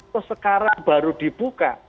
terus sekarang baru dibuka